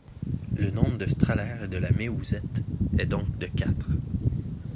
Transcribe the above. Le nombre de Strahler de la Méouzette est donc de quatre.